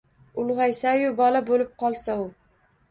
Ulg’aysayu bola bo’lib qolsa u